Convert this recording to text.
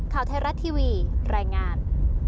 ข่าวเทราทีวีแรงงาน